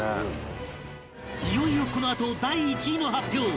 いよいよこのあと第１位の発表